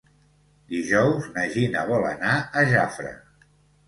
Dijous na Gina vol anar a Jafre.